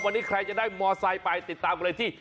วันนี้ใครจะได้มอไซค์ไปติดตามกันเลยที่